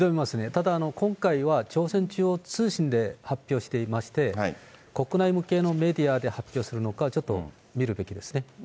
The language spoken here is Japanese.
ただ、今回は朝鮮中央通信で発表していまして、国内向けのメディアで発表するのか、ちょっと見るべきですね。